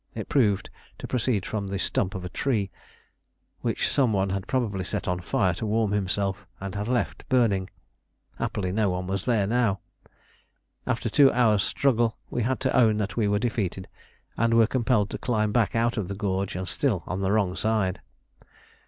It proved to proceed from the stump of a tree which some one had probably set on fire to warm himself and had left burning: happily no one was there now. After a two hours' struggle we had to own that we were defeated, and were compelled to climb back out of the gorge and still on the wrong side.